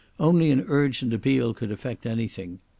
Only an urgent appeal could effect anything....